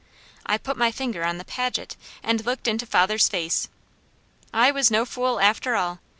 I put my finger on the Paget, and looked into father's face. I was no fool after all.